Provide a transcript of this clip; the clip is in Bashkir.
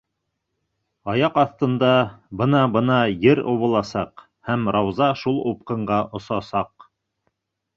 Аяҡ аҫтында бына-бына ер убыласаҡ, һәм Рауза шул упҡынға осасаҡ.